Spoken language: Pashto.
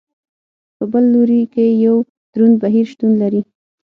په بل لوري کې یو دروند بهیر شتون لري.